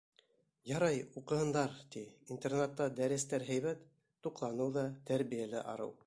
Ярай, уҡыһындар, ти, интернатта дәрестәр һәйбәт, туҡланыу ҙа, тәрбиә лә арыу.